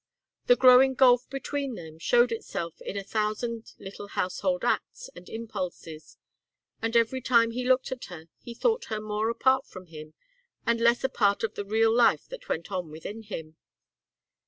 The growing gulf between them showed itself in a thousand little household acts and impulses, and every time he looked at her he thought her more apart from him and less a part of the real life that went on within him.